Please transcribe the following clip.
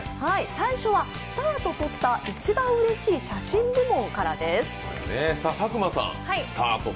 最初はスターと撮った一番うれしい写真部門からです。